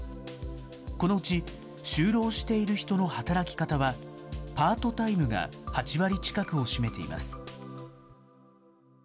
このうち、就労している人の働き方は、パートタイムが８割近くを占めています。